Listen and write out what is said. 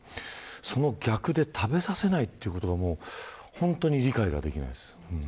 その逆で食べさせないということが本当に理解ができないです。